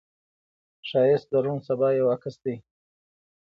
ښایست د روڼ سبا یو عکس دی